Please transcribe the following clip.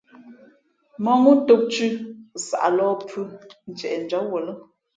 Mᾱŋú tōm thʉ̄, nsaʼ lōh pūh, ntieʼ njǎm wuα lά.